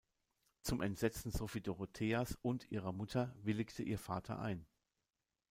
Zum Entsetzen Sophie-Dorotheas und ihrer Mutter willigte ihr Vater ein.